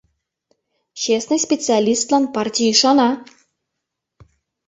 Честный специалистлан партий ӱшана.